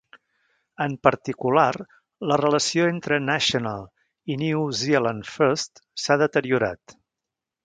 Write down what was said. En particular, la relació entre National i New Zealand First s"ha deteriorat.